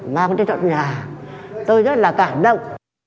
mà không đi trọn nhà tôi rất là cảm động